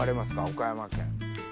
岡山県。